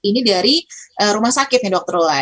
ini dari rumah sakit nih dr lola